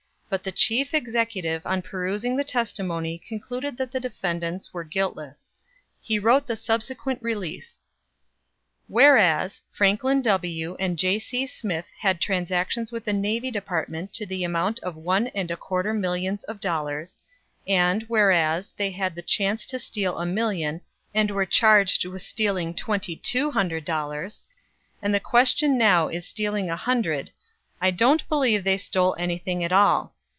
But the Chief Executive on perusing the testimony concluded that the defendants were guiltless. He wrote the subsequent release: "Whereas, Franklin W. and J. C. Smith had transactions with the Navy Department to the amount of one and a quarter millions of dollars; and, whereas, they had the chance to steal a million, and were charged with stealing twenty two hundred dollars and the question now is stealing a hundred I don't believe they stole anything at all!